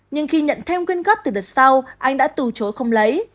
nhưng khi nhận thêm quyền góp từ đợt sau anh đã từ chối không lấy